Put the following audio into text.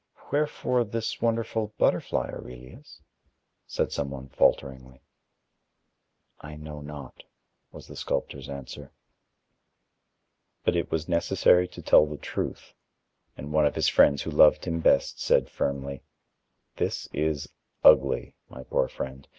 "Wherefore this wonderful butterfly, Aurelius?" said somebody falteringly. "I know not" was the sculptor's answer. But it was necessary to tell the truth, and one of his friends who loved him best said firmly: "This is ugly, my poor friend.